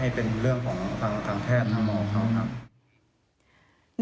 ให้เป็นเรื่องของความตามแทศ์